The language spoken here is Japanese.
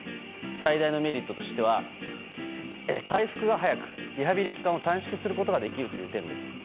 最大のメリットとしては回復が早くリハビリ期間を短縮することができるという点です。